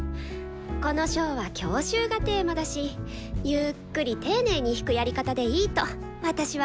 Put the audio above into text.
この章は「郷愁」がテーマだしゆっくり丁寧に弾くやり方でいいと私は思うな。